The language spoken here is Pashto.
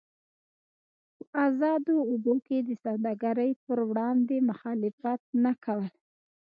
په ازادو اوبو کې د سوداګرۍ پر وړاندې مخالفت نه کول.